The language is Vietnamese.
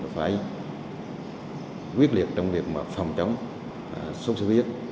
phải quyết liệt trong việc phòng chống sốt xuất huyết